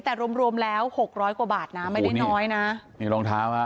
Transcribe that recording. แต่รวมรวมแล้วหกร้อยกว่าบาทนะไม่ได้น้อยนะนี่รองเท้าฮะ